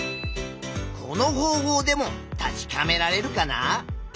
この方法でも確かめられるかな？